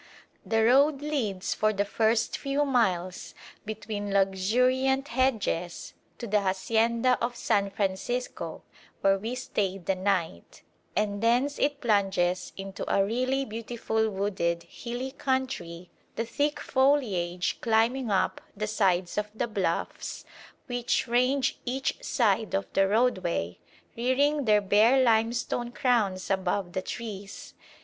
The road leads for the first few miles between luxuriant hedges to the hacienda of San Francisco (where we stayed the night); and thence it plunges into a really beautiful wooded, hilly country, the thick foliage climbing up the sides of the bluffs which range each side of the roadway, rearing their bare limestone crowns above the trees.